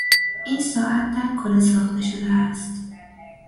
این ساعت در کره ساخته شده است.